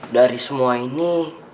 dari semua ini